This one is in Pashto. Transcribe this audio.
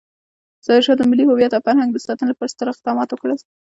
ظاهرشاه د ملي هویت او فرهنګ د ساتنې لپاره ستر اقدامات وکړل.